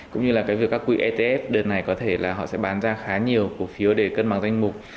cũng như là cái việc các quỹ etf đợt này có thể là họ sẽ bán ra khá nhiều cổ phiếu để cân bằng danh mục